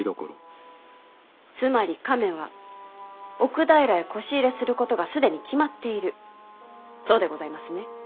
つまり亀は奥平へこし入れすることが既に決まっているそうでございますね？